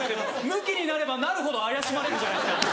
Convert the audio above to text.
ムキになればなるほど怪しまれるじゃないですか。